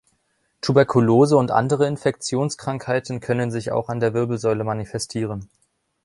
Tuberkulose und andere Infektionskrankheiten können sich auch an der Wirbelsäule manifestieren.